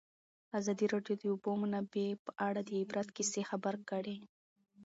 ازادي راډیو د د اوبو منابع په اړه د عبرت کیسې خبر کړي.